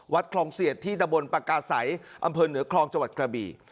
วัดคลองเซียดที่ดะบลปากกาไสอำเภอเหนือคลองจังหวัดกระบี